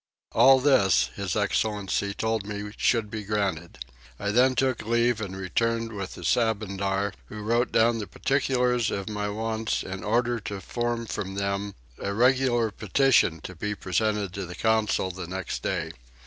All this his excellency told me should be granted. I then took leave and returned with the Sabandar who wrote down the particulars of my wants in order to form from them a regular petition to be presented to the council the next day.